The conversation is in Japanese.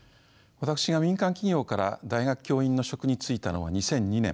私が民間企業から大学教員の職に就いたのが２００２年。